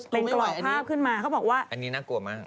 เป็นปล่อยภาพขึ้นมาเขาบอกว่าอันนี้น่ากลัวมาก